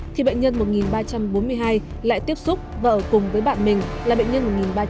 thì bệnh nhân một nghìn ba trăm bốn mươi hai lại tiếp xúc và ở cùng với bạn mình là bệnh nhân một nghìn ba trăm bốn mươi bảy